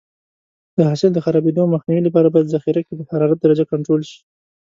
د حاصل د خرابېدو مخنیوي لپاره باید ذخیره کې د حرارت درجه کنټرول شي.